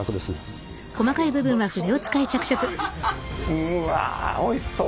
うわおいしそう。